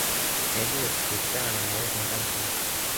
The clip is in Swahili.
meli hiyo ilikutana na mawimbi makali sana